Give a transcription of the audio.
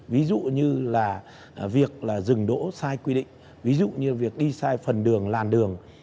ví dụ như việc dừng đỗ sai quy định việc đi sai phần đường làn đường